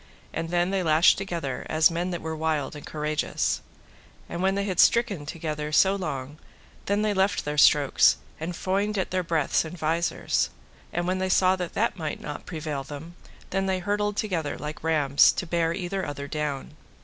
And then they lashed together as men that were wild and courageous. And when they had stricken so together long, then they left their strokes, and foined at their breaths and visors; and when they saw that that might not prevail them, then they hurtled together like rams to bear either other down.